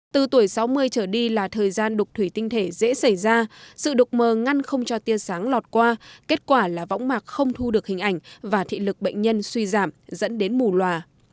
từ tuổi sáu mươi trở đi là thời gian đục thủy tinh thể dễ xảy ra sự đục mờ ngăn không cho tiên sáng lọt qua kết quả là võng mạc không thu được hình ảnh và thị lực bệnh nhân suy giảm dẫn đến mù loà